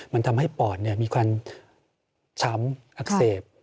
มันทำให้ปอดมีความช้ำอักเสบ